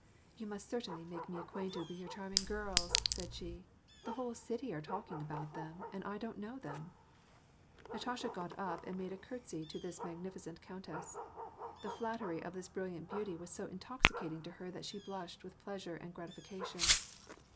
" You must certainly make me acquainted with your charm ing girls," said she ;'^ the whole city are talking about them, and I don't know them." Natasha got up and made a courtesy to this magnificent countess. The flattery of this brilliant beauty was so intoxi cating to her that she blushed with pleasure and g^tification.